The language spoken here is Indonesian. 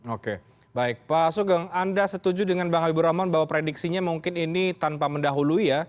oke baik pak sugeng anda setuju dengan bang habibur rahman bahwa prediksinya mungkin ini tanpa mendahului ya